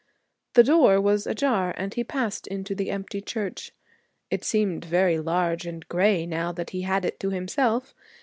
The door was ajar and he passed into the empty church. It seemed very large and gray now that he had it to himself.